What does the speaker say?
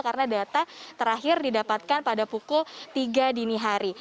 karena data terakhir didapatkan pada pukul tiga dini hari